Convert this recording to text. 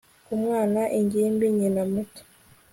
ku mwana, ingimbi, nyina muto